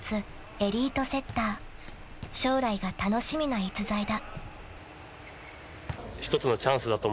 ［将来が楽しみな逸材だ］